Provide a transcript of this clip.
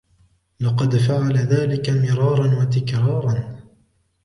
لقد فعل ذلك مراراً وتكراراً.